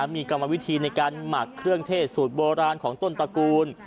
มีกรรมวิธีในการหมักเครื่องเทศสูตรโบราณของต้นตระกูล